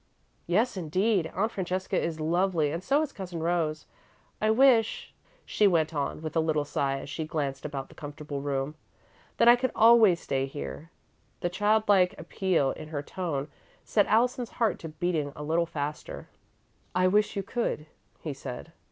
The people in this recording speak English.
"Yes, indeed. Aunt Francesca is lovely and so is Cousin Rose. I wish," she went on, with a little sigh as she glanced about the comfortable room, "that I could always stay here." The child like appeal in her tone set Allison's heart to beating a little faster. "I wish you could," he said.